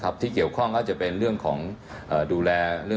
ที่นี่มีเยอะแล้วครับ